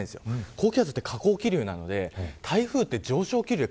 高気圧は下降気流なので台風は上昇気流で